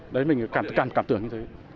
đấy mình cảm tưởng như thế